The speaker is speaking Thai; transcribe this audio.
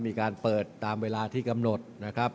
มีการเปิดตามเวลาที่กำหนดนะครับ